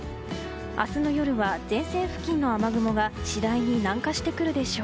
明日の夜は前線付近の雨雲が次第に南下してくるでしょう。